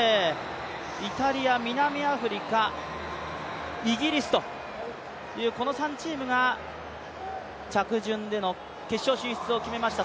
イタリア、南アフリカ、イギリスというこの３チームが着順での決勝進出を決めました。